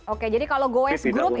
oke jadi kalau goes group itu tidak ya